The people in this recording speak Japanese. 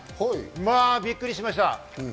まぁびっくりしました。